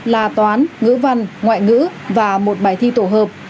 là toán ngữ văn ngoại ngữ và một bài thi tổ hợp